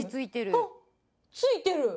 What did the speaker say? あっついてる。